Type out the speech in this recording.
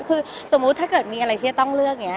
คือสมมุติถ้าเกิดมีอะไรที่จะต้องเลือกอย่างนี้